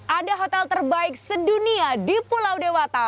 ada hotel terbaik sedunia di pulau dewata